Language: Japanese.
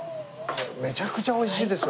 めちゃくちゃ美味しいでしょ？